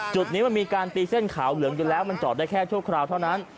จุดนี้มันมีการตีเส้นขาวเหลืองอยู่แล้วมันจอดได้แค่ชั่วคราวเท่านั้น